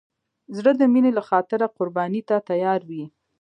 زړه د مینې له خاطره قرباني ته تیار وي.